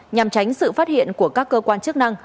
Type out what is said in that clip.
nhằm tránh sự phát hiện của các cơ quan chức năng